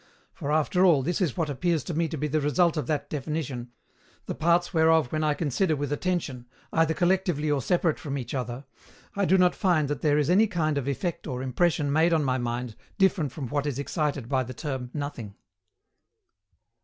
For, after all, this is what appears to me to be the result of that definition, the parts whereof when I consider with attention, either collectively or separate from each other, I do not find that there is any kind of effect or impression made on my mind different from what is excited by the term nothing.